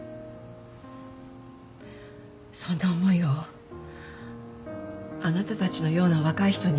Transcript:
そんな思いをあなたたちのような若い人に。